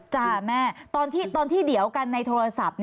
จ้ะแม่ตอนที่เดียวกันในโทรศัพท์